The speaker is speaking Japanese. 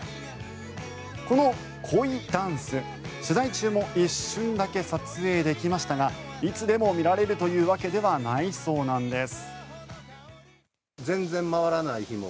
このコイダンス、取材中も一瞬だけ撮影できましたがいつでも見られるというわけではないそうなんです。